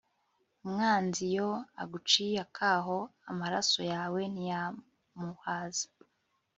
umwanziiyo aguciye akaho, amaraso yawe ntiyamuhaza